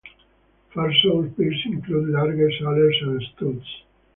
Farsons beers include lagers, ales and stouts.